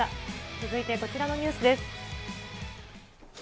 続いてこちらのニュースです。